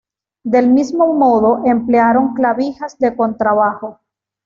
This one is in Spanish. Del mismo modo, emplearon clavijas de contrabajo.